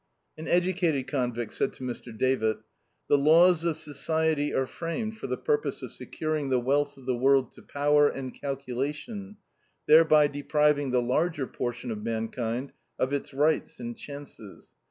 An educated convict said to Mr. Davitt: "The laws of society are framed for the purpose of securing the wealth of the world to power and calculation, thereby depriving the larger portion of mankind of its rights and chances.